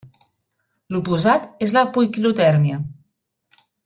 L'oposat és la poiquilotèrmia.